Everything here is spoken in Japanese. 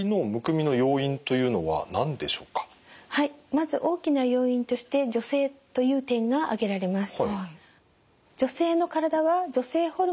まず大きな要因として女性という点が挙げられます。